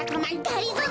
がりぞー